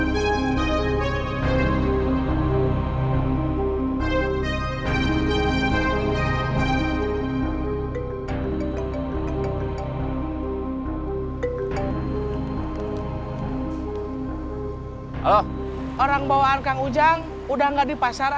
disuruh nyari orang yang mau kerja di pasar